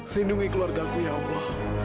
lindungi keluarga ku ya allah